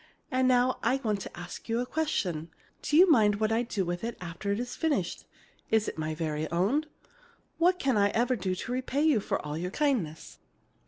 And now I want to ask you a question. Do you mind what I do with it after it is finished? Is it my very own? What can I ever do to repay you for all your kindness!